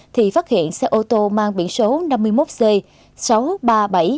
thì phát hiện xe ô tô mang biển số tổ tuần tra lưu động thuộc công an huyện bào bàng